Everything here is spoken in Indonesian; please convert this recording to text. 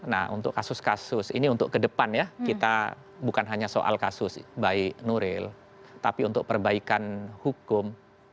nah untuk kasus kasus ini untuk ke depan ya kita bukan hanya soal kasus baik nuril tapi untuk perbaikan hukum